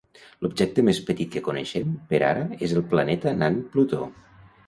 L'objecte més petit que coneixem per ara és el planeta nan Plutó.